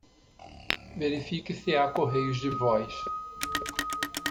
Verifique se há correios de voz.